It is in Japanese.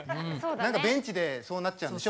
ベンチでそうなっちゃうんでしょ。